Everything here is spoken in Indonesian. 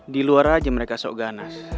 di luar aja mereka sok ganas